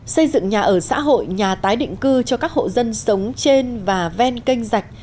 xây dựng nhà ở xã hội nhà tái định cư cho các hộ dân sống trên và ven kênh dạch